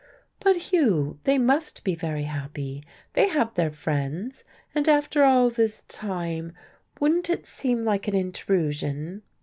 "But, Hugh, they must be very happy, they have their friends. And after all this time wouldn't it seem like an intrusion?"